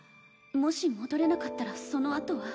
もし戻れなかったらそのあとは